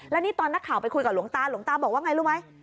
แล้วนี่ตอนนักข่าวไปคุยกับหลวงตาหลวงตาบอกว่าไงรู้ไหม